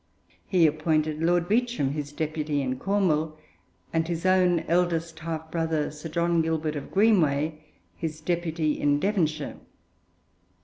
He, appointed Lord Beauchamp his deputy in Cornwall, and his own eldest half brother, Sir John Gilbert of Greenway, his deputy in Devonshire.